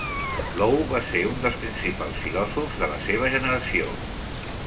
Lowe va ser un dels principals filòsofs de la seva generació.